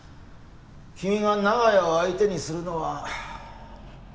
君が長屋を相手にするのは無理だ。